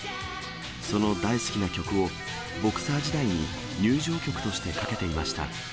その大好きな曲を、ボクサー時代に入場曲としてかけていました。